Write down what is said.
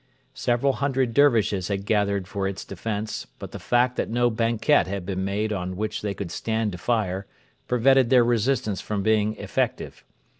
Several hundred Dervishes had gathered for its defence; but the fact that no banquette had been made on which they could stand to fire prevented their resistance from being effective.